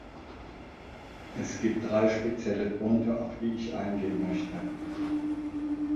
Es gibt drei spezielle Punkte, auf die ich eingehen möchte.